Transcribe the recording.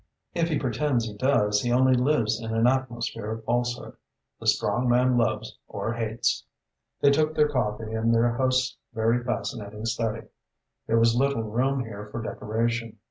If he pretends he does, he only lives in an atmosphere of falsehood. The strong man loves or hates." They took their coffee in their host's very fascinating study. There was little room here for decoration.